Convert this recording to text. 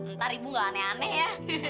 ntar ibu gak aneh aneh ya